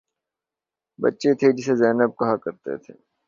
بچی تھی جسے زینب کہا کرتے تھے